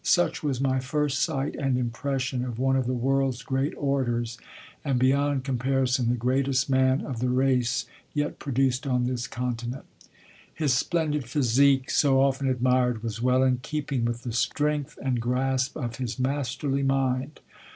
Such was my first sight and impression of one of the world's great orators, and beyond comparison the greatest man of the race yet produced on this continent. His splendid physique, so often admired, was well in keeping with the strength and grasp of his masterly mind.